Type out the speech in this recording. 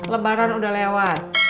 lebaran udah lewat